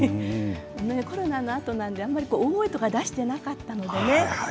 コロナのあとなのであまり大声とか出していなかったのでね